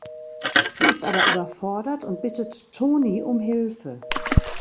Sie ist aber überfordert und bittet Toni um Hilfe.